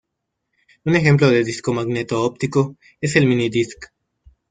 Un ejemplo de disco magneto-óptico es el MiniDisc.